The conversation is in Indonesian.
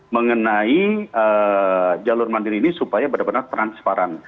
mengenai jalur mandiri ini supaya benar benar transparan